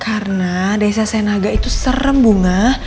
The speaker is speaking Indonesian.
karena desa senaga itu serem bunga